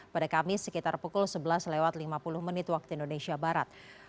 pada kamis sekitar pukul sebelas lewat lima puluh menit waktu indonesia barat